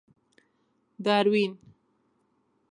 داروېن.